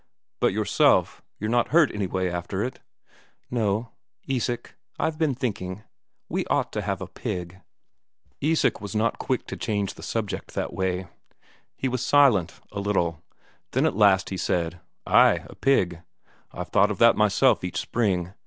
"But yourself you're not hurt anyway after it?" "No. Isak, I've been thinking, we ought to have a pig." Isak was not quick to change the subject that way. He was silent a little, then at last he said: "Ay, a pig. I've thought of that myself each spring.